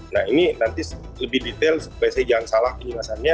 nah ini nanti lebih detail supaya saya jangan salah penjelasannya